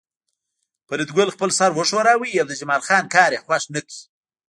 فریدګل خپل سر وښوراوه او د جمال خان کار یې خوښ نکړ